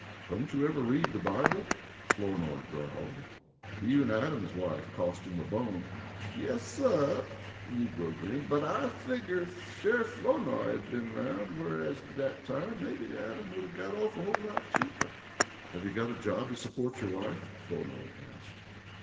"Don't you ever read the Bible?" Flournoy growled. "Even Adam's wife cost him a bone." "Yes, suh," the negro grinned. "But I figger ef Sheriff Flournoy had been aroun' anywheres at dat time, maybe Adam would 'a' got off a whole lot cheaper." "Have you got a job to support your wife?" Flournoy asked.